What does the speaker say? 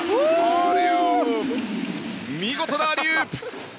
見事なアリウープ！